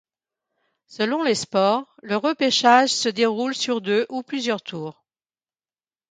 Selon les sports, le repêchage se déroule sur deux ou plusieurs tours.